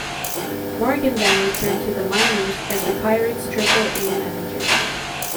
Morgan then returned to the minors as the Pirates' Triple-A manager.